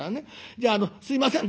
じゃあすいません